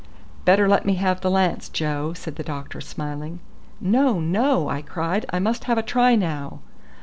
"Better let me have the lance, Joe," said the doctor smiling. "No, no," I cried. "I must have a try now."